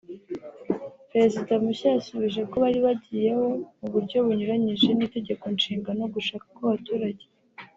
Perezida mushya yasubije ko bari bagiyeho mu buryo bunyuranyije n’itegekonshinga no gushaka kw’abaturage